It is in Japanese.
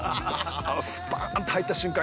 スパーンと入った瞬間